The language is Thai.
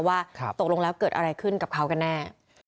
ว่าตกลงแล้วเกิดอะไรขึ้นกับเขากันแน่